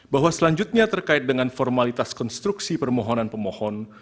bahwa selanjutnya terkait dengan formalitas konstruksi permohonan pemohon